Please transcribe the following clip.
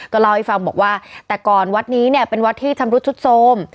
เล่าให้ฟังบอกว่าแต่ก่อนวัดนี้เนี่ยเป็นวัดที่ชำรุดชุดโทรม